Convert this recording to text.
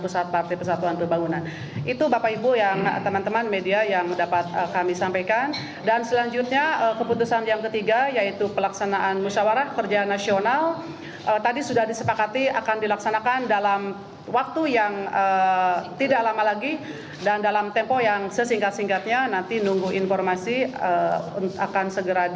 kepada pemerintah saya ingin mengucapkan terima kasih kepada pemerintah pemerintah yang telah menonton